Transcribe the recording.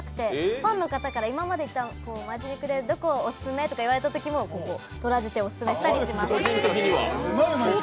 ファンの方から今まで行ったマヂ肉で行ったどこオススメ？と言われたときもとらじ亭をオススメしたりします。